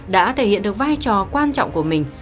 đã thể hiện được vai trò quan trọng của mình